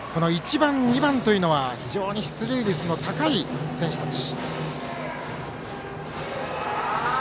１番、２番は非常に出塁率の高い選手たち。